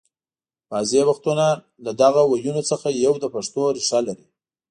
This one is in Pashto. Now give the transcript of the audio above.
بعضې وختونه له دغو ويونو څخه یو د پښتو ریښه لري